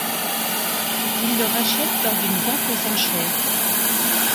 Il le rachète lors d’une vente aux enchères.